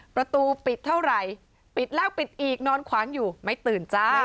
ประตูปิดเท่าไหร่ปิดแล้วปิดอีกนอนขวางอยู่ไม่ตื่นจ้า